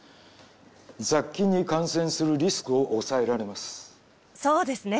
雑菌に感染するリスクを抑えられますそうですね